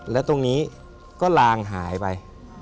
แล้วตรงนี้ก็ลางหายไป